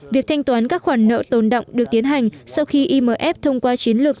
việc thanh toán các khoản nợ tồn động được tiến hành sau khi imf thông qua chiến lược